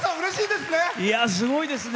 すごいですね。